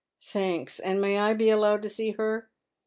" Thanks. And may I be allowed to see her